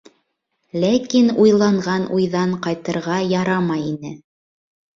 Ләкин уйланған уйҙан ҡайтырға ярамай ине.